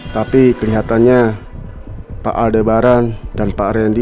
tapi saya ingin mengatakan kepada pak aldebaran dan pak randy